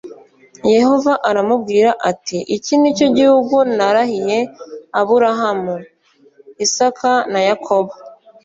Yehova aramubwira ati “iki ni cyo gihugu narahiye Aburahamu, Isaka na Yakobo